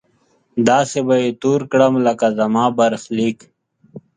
داسې به يې تور کړم لکه زما برخليک